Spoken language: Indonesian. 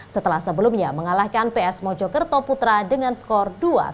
setelah sebelumnya mengalahkan ps mojokerto putra dengan skor dua satu